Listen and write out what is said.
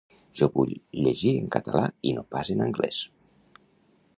Jo vull llegir en català i no pas en anglès